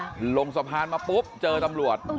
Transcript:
ลงสะพานมาปุ๊บเจอตำรวจ